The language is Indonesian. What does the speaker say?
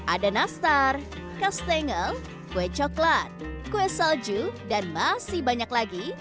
ada nastar kastengel kue coklat kue salju dan masih banyak lagi